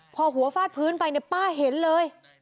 พอหัวฟาดพื้นไปป้าเห็นเลย